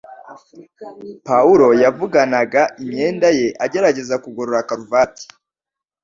Pawulo yavuganaga imyenda ye, agerageza kugorora karuvati